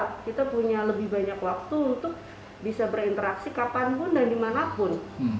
kita punya lebih banyak waktu untuk bisa berinteraksi kapanpun dan dimanapun